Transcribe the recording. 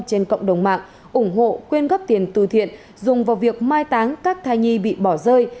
trên cộng đồng mạng ủng hộ khuyên gấp tiền tù thiện dùng vào việc mai táng các thai nhi bị bỏ rơi